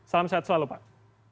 salam sehat selalu pak